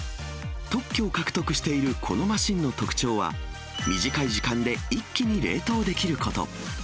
特許を獲得しているこのマシンの特徴は、短い時間で一気に冷凍できること。